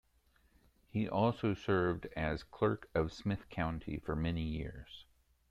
He also served as Clerk of Smith County for many years.